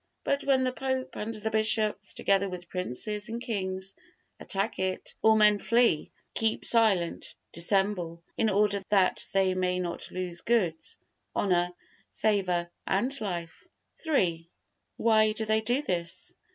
But when the pope, and the bishops, together with princes and kings attack it, all men flee, keep silent, dissemble, in order that they may not lose goods, honor, favor and life. III. Why do they do this?